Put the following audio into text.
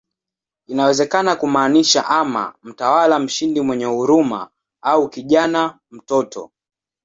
Inaweza kumaanisha ama "mtawala mshindi mwenye huruma" au "kijana, mtoto".